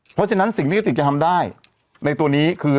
เพราะฉะนั้นสิ่งที่กระติกจะทำได้ในตัวนี้คือ